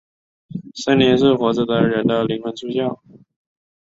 生灵是活着的人的灵魂出窍。